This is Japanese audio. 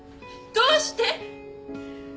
どうして！？